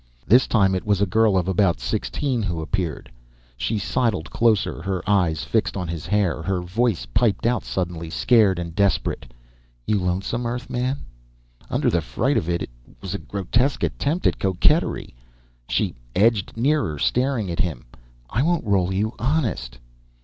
This time it was a girl of about sixteen who appeared. She sidled closer, her eyes fixed on his hair. Her voice piped out suddenly, scared and desperate. "You lonesome, Earthman?" Under the fright, it was a grotesque attempt at coquetry. She edged nearer, staring at him. "I won't roll you, honest!"